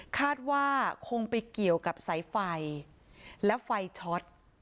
คาดว่าคงไปเกี่ยวกับสายไฟและไฟช็อต